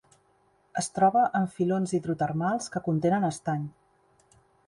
Es troba en filons hidrotermals que contenen estany.